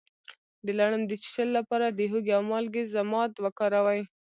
د لړم د چیچلو لپاره د هوږې او مالګې ضماد وکاروئ